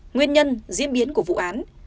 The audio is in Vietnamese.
nguyên nhân diễn biến của vụ án